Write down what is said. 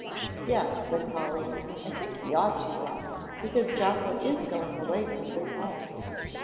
"Yes," said Polly, "I think he ought to, Ben, because Jocko is going away from this home."